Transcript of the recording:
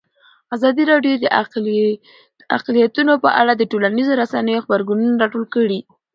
ازادي راډیو د اقلیتونه په اړه د ټولنیزو رسنیو غبرګونونه راټول کړي.